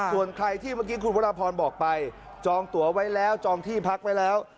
ส่วนใครที่เมื่อกี้คุณวรพรบอกไปจองตัวไว้แล้วจองที่พักไว้แล้ว